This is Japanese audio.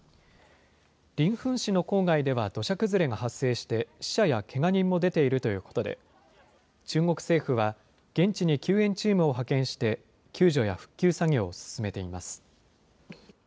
臨汾市の郊外では土砂崩れが発生して、死者やけが人も出ているということで、中国政府は現地に救援チームを派遣して、救助や復旧作業を進めています。